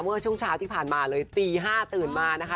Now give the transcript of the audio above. เมื่อช่วงเช้าที่ผ่านมาเลยตี๕ตื่นมานะคะ